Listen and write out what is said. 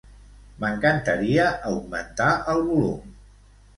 M'encantaria augmentar el volum.